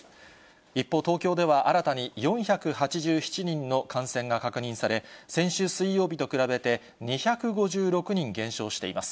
一方、東京では新たに４８７人の感染が確認され、先週水曜日と比べて、２５６人減少しています。